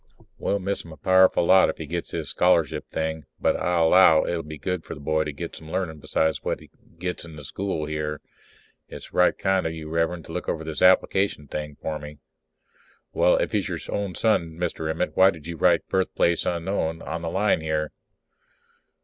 We'll miss him a powerful lot if he gets this scholarship thing. But I 'low it'll be good for the boy to get some learnin' besides what he gets in the school here. It's right kind of you, Rev'rend, to look over this application thing for me. _Well, if he is your own son, Mr. Emmett, why did you write 'birthplace unknown' on the line here?